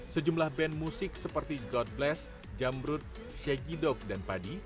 sejumlah band musik seperti god bless jamrut shaggy dog dan padi